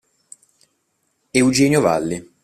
Eugenio Valli